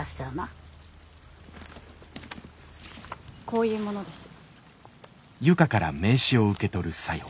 こういう者です。